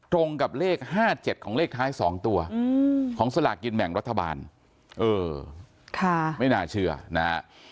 ตรงกับเลข๕๗ของเลขท้าย๒ตัวของสลากกินแบ่งรัฐบาลเออไม่น่าเชื่อนะฮะ